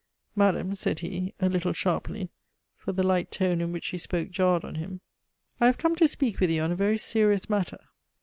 "Madame," said he, a little sharply, for the light tone in which she spoke jarred on him. "I have come to speak with you on a very serious matter."